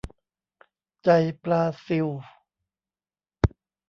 ใจปลาซิว